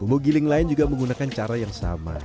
bumbu giling lain juga menggunakan cara yang sama